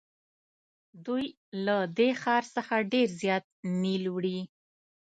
دوی له دې ښار څخه ډېر زیات نیل وړي.